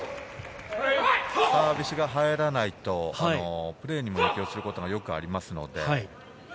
サービスが入らないとプレーにも影響することがよくありますので。